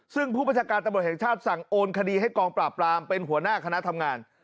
ซึ่งผู้บัญชาการตำรวจแห่งชาติสั่งโอนคดีให้กองปราบปรามเป็นหัวหน้าคณะทำงาน